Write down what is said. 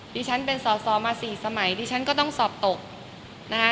ดิฉันเป็นสอสอมาสี่สมัยดิฉันก็ต้องสอบตกนะคะ